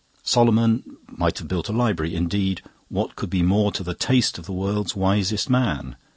Solomon might have built a library indeed, what could be more to the taste of the world's wisest man?